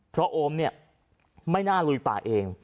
เพราะโอมเนี่ยไม่น่าลุยป่าเอง